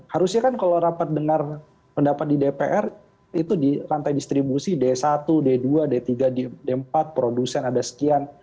harusnya kan kalau rapat dengar pendapat di dpr itu di rantai distribusi d satu d dua d tiga d empat produsen ada sekian